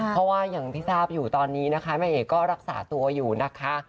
เพราะว่าอย่างที่ทราบอยู่ตอนนี้นะคะแม่เอกก็รักษาตัวอยู่นะคะ